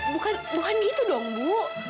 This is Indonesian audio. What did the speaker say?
bukan gitu dong bu